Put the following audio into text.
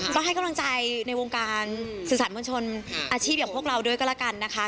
ก็ให้กำลังใจในวงการสื่อสารมวลชนอาชีพอย่างพวกเราด้วยก็แล้วกันนะคะ